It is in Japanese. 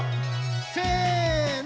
せの！